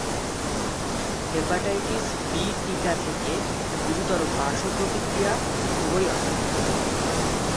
Hepatitis B টিকা থেকে গুরুতর পার্শ্ব প্রতিক্রিয়া খুবই অসাধারণ।